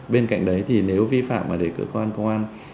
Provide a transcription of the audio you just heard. bên cạnh đấy thì nếu vi phạm mà để cơ quan công an